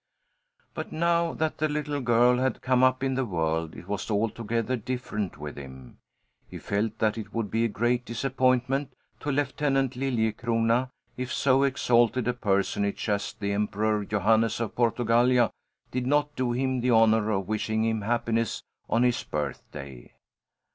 But now that the little girl had come up in the world, it was altogether different with him. He felt that it would be a great disappointment to Lieutenant Liljecrona if so exalted a personage as the Emperor Johannes of Portugallia did not do him the honour of wishing him happiness on his birthday.